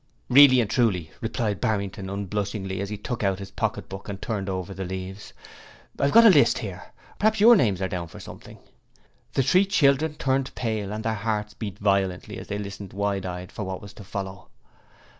'Really and truly,' replied Barrington unblushingly as he took out his pocket book and turned over the leaves. 'I've got the list here; perhaps your names are down for something.' The three children turned pale and their hearts beat violently as they listened wide eyed for what was to follow.